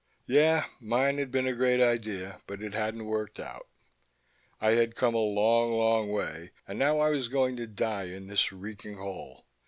Yeah, mine had been a great idea, but it hadn't worked out. I had come a long, long way and now I was going to die in this reeking hole.